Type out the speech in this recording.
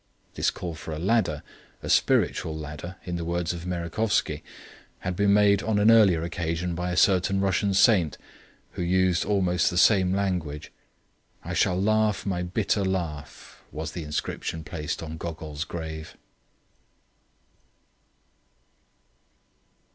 This call for a ladder "a spiritual ladder," in the words of Merejkovsky had been made on an earlier occasion by a certain Russian saint, who used almost the same language. "I shall laugh my bitter laugh" was the inscription placed on Gogol's grave.